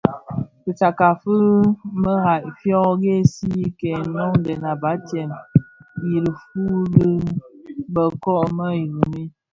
Fitsakka fi marai fyo ghësèyi ki noňdè a batsèm i dhifombu bi më kōō më Jrume.